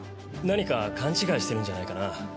何か勘違いしてるんじゃないかな。